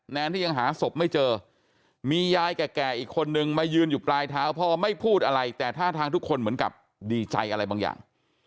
แนนที่ยังหาศพไม่เจอมียายแก่อีกคนนึงมายืนอยู่ปลายเท้าพ่อไม่พูดอะไรแต่ท่าทางทุกคนเหมือนกับดีใจอะไรบางอย่าง